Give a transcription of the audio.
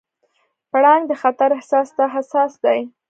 پړانګ د خطر احساس ته حساس دی.